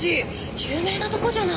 有名なとこじゃない。